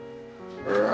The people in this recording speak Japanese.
うわ！